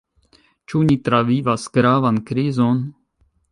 Ĉu ni travivas gravan krizon?